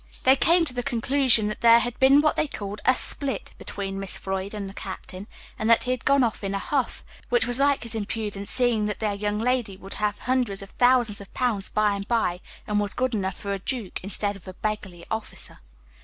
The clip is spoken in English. They came to the conclusion that there had been what they called "a split" between Miss Floyd and the captain, and that he had gone off in a huff, which was like his impudence, seeing that their young lady would have hundreds of thousands of pounds by and by, and was good enough for a duke, instead of a beggarly officer.